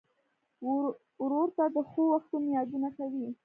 ورور ته د ښو وختونو یادونه کوې.